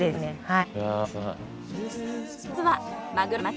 はい。